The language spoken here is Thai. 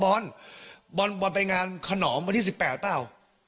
บอลบอลไปงานขนอมวันที่๑๘เปล่า